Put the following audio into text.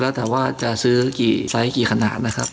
แล้วแต่ว่าจะซื้อกี่ไซส์กี่ขนาดนะครับ